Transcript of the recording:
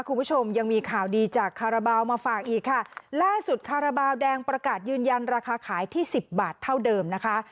คุณผู้ชมยังมีข่าวดีจากคาราบาลมาฝากอีกค่ะล่าสุดคาราบาลแดงประกาศยืนยันราคาขายที่สิบบาทเท่าเดิมนะคะ